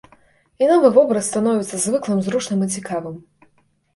І новы вобраз становіцца звыклым, зручным і цікавым.